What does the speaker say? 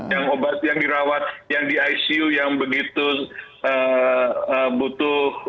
yang obat yang dirawat yang di icu yang begitu butuh